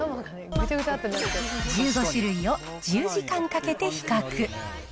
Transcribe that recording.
１５種類を１０時間かけて比較。